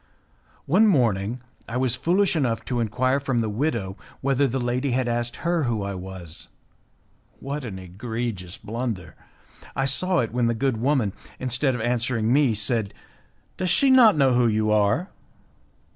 One morning I was foolish enough to enquire from the widow whether the lady had asked her who I was. What an egregious blunder! I saw it when the good woman, instead of answering me, said, "Does she not know who you are?"